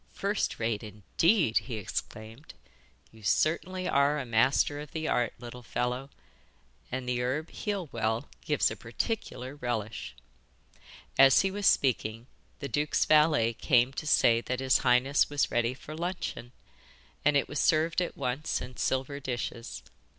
'First rate, indeed!' he exclaimed. 'You certainly are a master of the art, little fellow, and the herb heal well gives a particular relish.' As he was speaking, the duke's valet came to say that his highness was ready for luncheon, and it was served at once in silver dishes.